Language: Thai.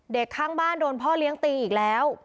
ข้างบ้านโดนพ่อเลี้ยงตีอีกแล้ว